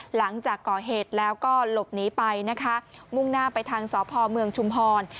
หลังจากก่อเหตุแล้วก็หลบหนีไปนะคะมุ่งหน้าไปทางสพเมืองชุมพร